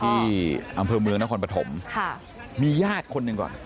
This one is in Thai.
ที่อำเภอเมืองนครปฐมค่ะมีญาติคนหนึ่งก่อน